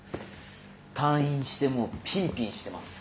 退院してもうピンピンしてます。